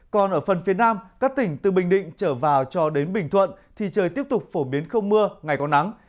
còn ở phần phía nam các tỉnh từ bình định trở vào cho đến bình thuận thì trời tiếp tục phổ biến không mưa ngày có nắng